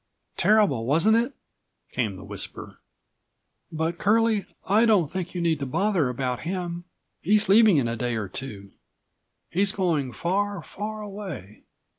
Terrible, wasn't it?" came the whisper. "But, Curlie, I69 don't think you need to bother about him. He's leaving in a day or two. He's going, far, far away.